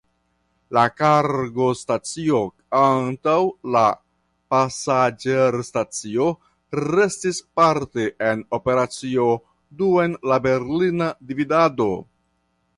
La kargostacio antaŭ la pasaĝerstacio restis parte en operacio dum la Berlina dividado.